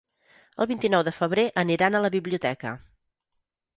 El vint-i-nou de febrer aniran a la biblioteca.